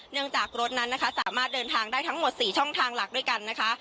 จากรถนั้นนะคะสามารถเดินทางได้ทั้งหมด๔ช่องทางหลักด้วยกันนะคะ